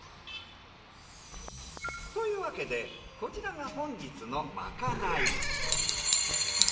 というわけでこちらが本日のまかない。